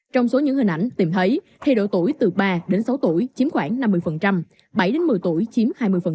trong số những hình ảnh tìm thấy thì độ tuổi từ ba đến sáu tuổi chiếm khoảng năm mươi bảy một mươi tuổi chiếm hai mươi